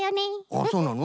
あっそうなの？